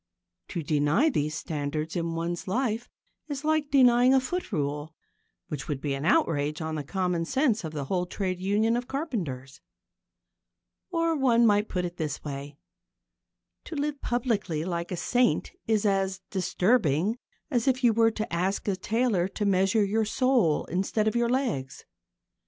To deny these standards in one's life is like denying a foot rule which would be an outrage on the common sense of the whole trade union of carpenters. Or one might put it this way. To live publicly like a saint is as disturbing as if you were to ask a tailor to measure your soul instead of your legs.